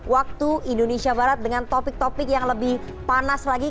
waktu indonesia barat dengan topik topik yang lebih panas lagi